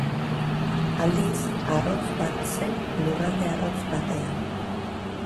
Aldiz, arrotz bat zen lurralde arrotz batean.